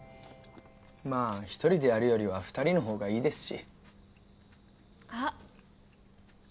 まあ１人でやるよりは２人の方がいいですし。